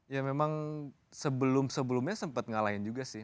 ya memang sebelum sebelumnya sempat ngalahin juga sih